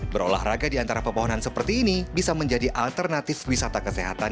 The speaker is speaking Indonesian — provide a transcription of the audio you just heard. berolahraga di antara pepohonan seperti ini bisa menjadi alternatif wisata kesehatan